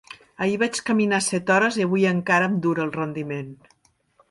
Ahir vaig caminar set hores i avui encara em dura el rendiment.